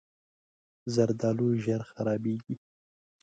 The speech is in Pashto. زردالو ژر خرابېږي.